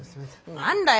何だよ。